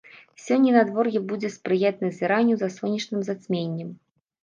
Сёння надвор'е будзе спрыяць назіранню за сонечным зацьменнем.